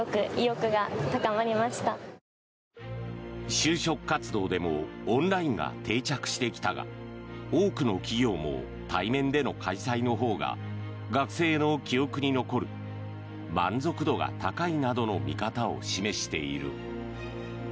就職活動でもオンラインが定着してきたが多くの企業も対面での開催のほうが学生の記憶に残る満足度が高いなどの見方を示している。